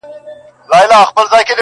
هغه نجلۍ په ما د ډيرو خلکو مخ خلاص کړئ,